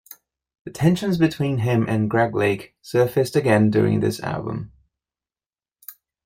The tensions between him and Greg Lake surfaced again during this album.